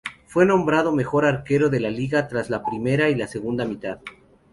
Fue nombrado mejor arquero de la liga tras la primera y segunda mitad.